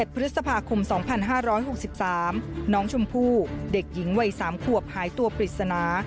พฤษภาคม๒๕๖๓น้องชมพู่เด็กหญิงวัย๓ขวบหายตัวปริศนา